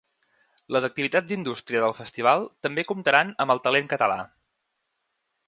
Les activitats d’indústria del festival també comptaran amb el talent català.